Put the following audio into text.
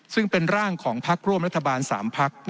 ซึ่งเป็นร่างของรับประกร่วมรัฐบาลสามพักธรรม